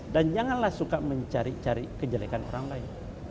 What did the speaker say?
dan janganlah suka mencari cari kejelekan orang lain